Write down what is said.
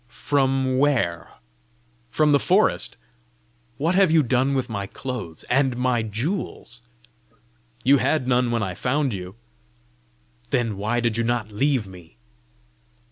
"From where?" "From the forest." "What have you done with my clothes and my jewels?" "You had none when I found you." "Then why did you not leave me?"